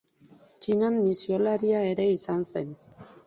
Txinan misiolaria ere izan zen.